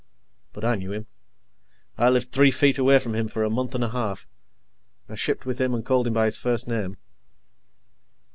But I knew him. I lived three feet away from him for a month and a half. I shipped with him and called him by his first name.